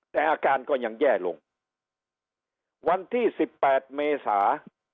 แต่อาการก็ยังแย่ลงวันที่สิบแปดเมษา